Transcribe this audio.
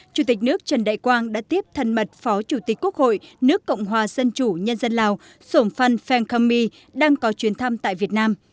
chủ tịch nước trần đại quang đã tiếp thân mật phó chủ tịch quốc hội nước cộng hòa dân chủ nhân dân lào sổm phan pheng kham my đang có chuyến thăm tại việt nam